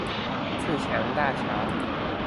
自強大橋